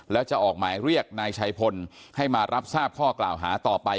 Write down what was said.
แล้วจะออกหมายเรียกนายชัยพลให้มารับทราบข้อกล่าวหาต่อไป